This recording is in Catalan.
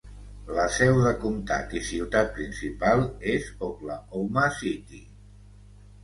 La seu de comtat i ciutat principal és Oklahoma City.